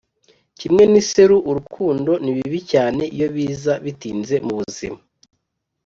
kimwe n'iseru, urukundo ni bibi cyane iyo biza bitinze mubuzima